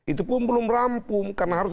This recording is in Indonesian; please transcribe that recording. itu pun belum rampung karena harus